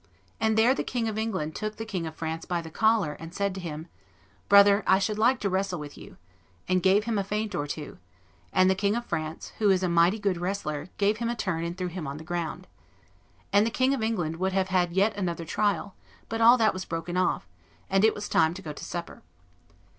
And there the King of England took the King of France by the collar, and said to him, 'Brother, I should like to wrestle with you,' and gave him a feint or two; and the King of France, who is a mighty good wrestler, gave him a turn and threw him on the ground. And the King of England would have had yet another trial; but all that was broken off, and it was time to go to supper.